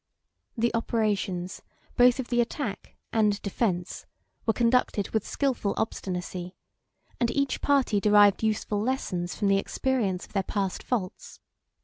The operations, both of the attack and defence, were conducted with skilful obstinacy; and each party derived useful lessons from the experience of their past faults.